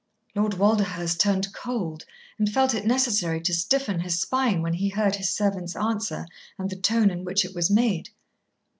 Lord Walderhurst turned cold, and felt it necessary to stiffen his spine when he heard his servant's answer and the tone in which it was made.